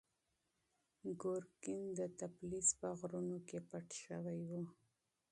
ګورګین د تفلیس په غرونو کې پټ شوی و.